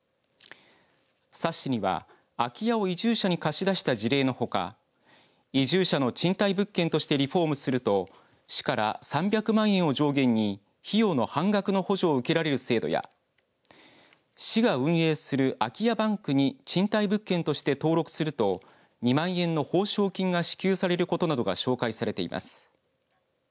冊子には空き家を移住者に貸し出した事例のほか移住者の賃貸物件としてリフォームすると市から３００万円を上限に費用の半額の補助を受けられる制度や市が運営する空き家バンクに賃貸物件として登録すると２万円の報奨金が支給されることなどが紹介されています。